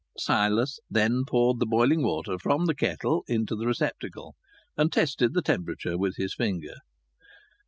Silas then poured the boiling water from the kettle into the receptacle, and tested the temperature with his finger.